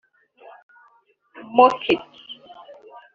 Moquid